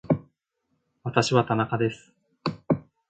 私は田中です